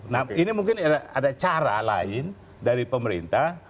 nah ini mungkin ada cara lain dari pemerintah